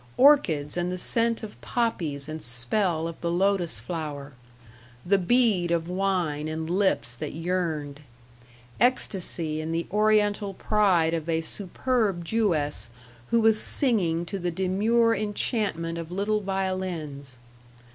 Orchids and the scent of poppies and spell of the lotos flower, the bead of wine and lips that yearned; ecstasy in the Oriental pride of a superb Jewess who was singing to the demure enchantment of little violins.